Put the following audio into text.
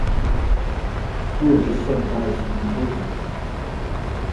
We're just some guys from Jersey.